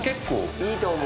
いいと思う！